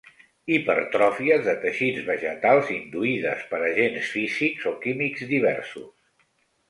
Hipertròfies de teixits vegetals induïdes per agents físics o químics diversos.